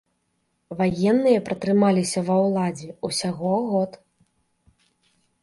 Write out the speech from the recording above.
Ваенныя пратрымаліся ва ўладзе ўсяго год.